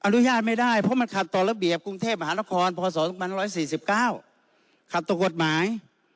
อนุญาตไม่ได้เพราะมันขัดต่อระเบียบกรุงเทพมหานครพศ๒๑๔๙ขัดต่อกฎหมาย